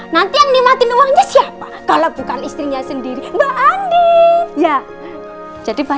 nanti yang nikmatin uangnya siapa kalau bukan istrinya sendiri mbak ani